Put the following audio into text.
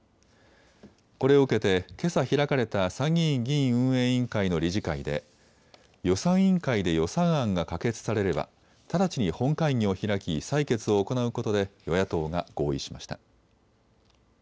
これを受けて、けさ開かれた参議院議院運営委員会の理事会で予算委員会で予算案が可決されれば直ちに本会議を開き採決を行うことで与野党が合意しました。